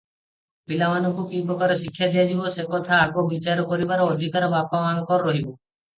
ପିଲାମାନଙ୍କୁ କି ପ୍ରକାର ଶିକ୍ଷା ଦିଆଯିବ, ସେକଥା ଆଗ ବିଚାର କରିବାର ଅଧିକାର ବାପମାଙ୍କର ରହିବ ।